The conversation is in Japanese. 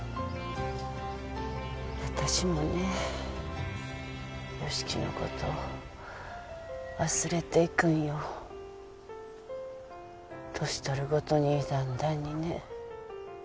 私もね由樹のこと忘れていくんよ年取るごとにだんだんにね